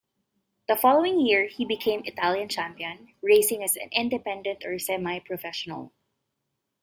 The following year he became Italian champion, racing as an independent or semi-professional.